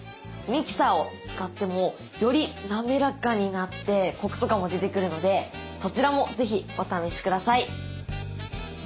ミキサーを使ってもより滑らかになってコクとかも出てくるのでそちらも是非お試しください。